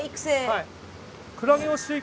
はい。